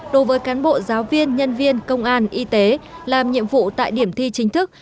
đối với cán bộ giáo viên nhân viên công an y tế làm nhiệm vụ tại điểm thi chính thức